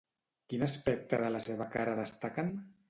Quin aspecte de la seva cara destaquen?